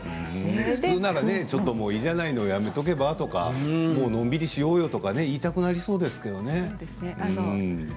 普通ならね、ちょっともういいじゃないの、やめておけば？とか、のんびりしようよとか言いたくなりそうですけどね。